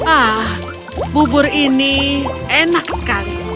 ah bubur ini enak sekali